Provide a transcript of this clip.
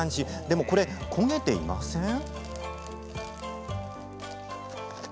でも、これ焦げていません？